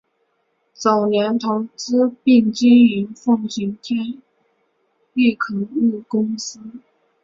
早年投资并经营奉锦天一垦务公司。